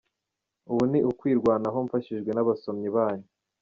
Ubu ni ukwirwanaho mfashijwe n’abasomyi banyu.